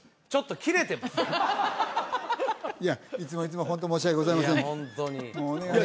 いやいつもいつもホント申し訳ございませんいや